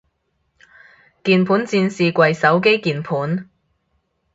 鍵盤戰士跪手機鍵盤